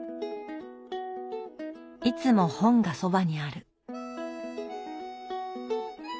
いつも本がそばにある。